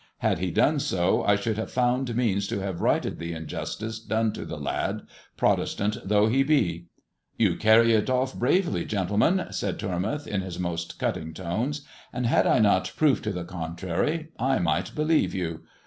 Had he done so, I should have found means to have righted the injustice done to the lad, Protestant though he be." " You carry it ofE bravely, gentlemen," said Tormouth, in his most cutting tones, "and, had I not proof to the contrary, I might believe you.